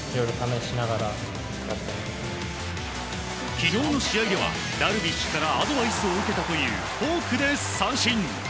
昨日の試合ではダルビッシュからアドバイスを受けたというフォークで三振。